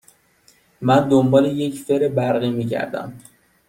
من دنبال یک فر برقی می گردم.